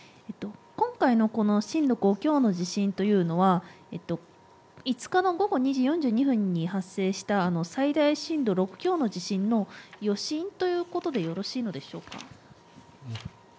今回の震度５強の地震というのは５日の午後２時４５分に発生した最大震度６強の地震の余震ということでよろしいのでしょうか。